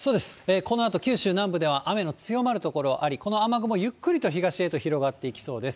このあと九州南部では雨の強まる所あり、この雨雲、ゆっくりと東へと広がっていきそうです。